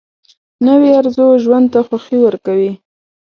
نوې ارزو ژوند ته خوښي ورکوي